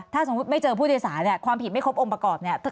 ถ้าสมมุติไม่เจอผู้โดยสารเนี่ยความผิดไม่ครบองค์ประกอบเนี่ย